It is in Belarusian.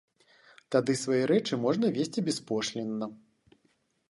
Тады свае рэчы можна везці беспошлінна.